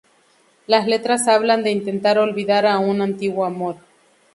Las letras hablan de intentar olvidar a un antiguo amor.